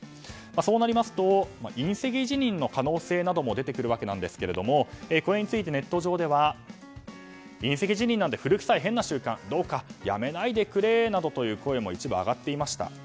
そうなりますと引責辞任の可能性なども出てくるわけですがこれについてネット上では引責辞任なんて古臭い変な習慣どうか辞めないでくれなどという声も一部上がっていました。